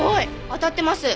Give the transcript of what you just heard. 当たってます。